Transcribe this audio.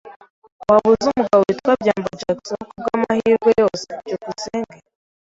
Waba uzi umugabo witwa byambo Jackson kubwamahirwe yose? byukusenge